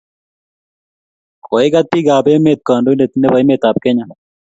Koigat bikaap emet kandoindet nebo emetab kenya